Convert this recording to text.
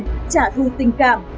trả thù tình cảm